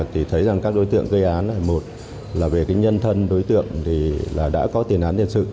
thì thấy rằng các đối tượng gây án một là về cái nhân thân đối tượng thì đã có tiền án tiền sự